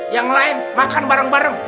yang lain makan bareng bareng